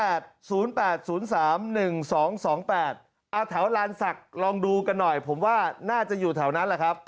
เอาแถวลานศักดิ์ลองดูกันหน่อยผมว่าน่าจะอยู่แถวนั้นแหละครับ